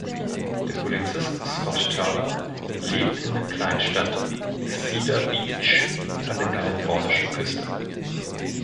Der Polizist Scott Turner lebt in der Kleinstadt Cedar Beach an der kalifornischen Küste.